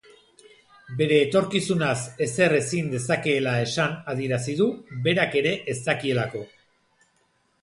Bere etorkizunaz ezer ezin dezakeela esan adierazu du, berak ere ez dakielako.